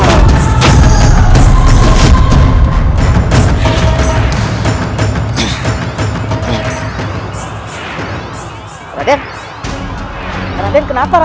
huru untuk hai matahari